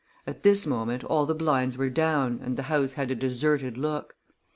At this moment all the blinds were down and the house had a deserted look.